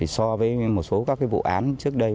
so với một số các vụ án trước đây